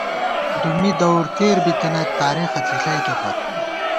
دُمّی دَور تېر بِتَنَئیت ، تاېخہ څِݪَئیکے پت